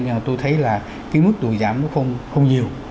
nhưng mà tôi thấy là cái mức tuổi giảm nó không nhiều